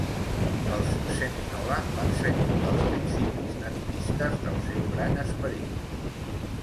Els Seminola van seguir els principis nativistes del seu Gran Esperit.